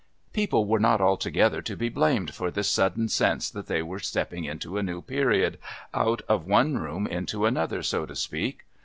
People were not altogether to be blamed for this sudden sense that they were stepping into a new period, out of one room into another, so to speak.